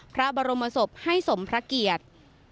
พระบรมศพให้สมพระเกียรติ